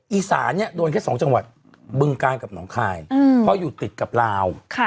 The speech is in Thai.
อีสานเนี่ยโดนแค่๒จังหวัดบึงกาลกับหนองคายเพราะอยู่ติดกับลาว